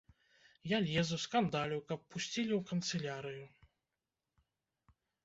Я лезу, скандалю, каб пусцілі ў канцылярыю.